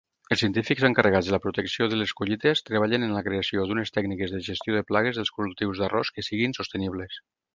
Els científics encarregats de la protecció de les collites treballen en la creació d'unes tècniques de gestió de plagues dels cultius d'arròs que siguin sostenibles.